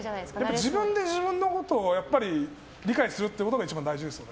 自分で自分のことを理解するということが一番大事ですよね。